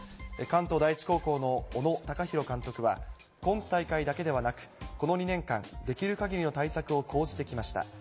関東第一高校のおのたかひろ監督は、今大会だけではなく、この２年間、できるかぎりの対策を講じてきました。